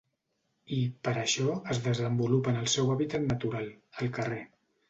I, per això, es desenvolupa en el seu hàbitat natural, el carrer.